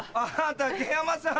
武山さん